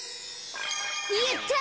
やった！